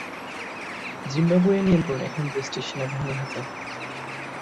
জিম্বাবুয়ের নিয়ন্ত্রণ এখন দেশটির সেনাবাহিনীর হাতে।